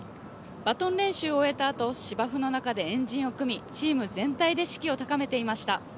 バトン練習を終えたあと、芝生の中で円陣を組み、チーム全体で士気を高めていました。